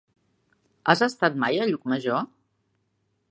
Has estat mai a Llucmajor?